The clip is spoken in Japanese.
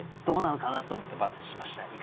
どうなのかな？と思って×にしました。